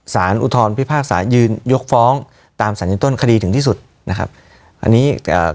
อุทธรพิพากษายืนยกฟ้องตามสารยืนต้นคดีถึงที่สุดนะครับอันนี้เอ่อ